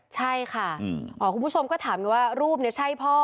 ใช่ค่ะคุณผู้ชมก็ถามว่ารูปนี้ใช่พ่อ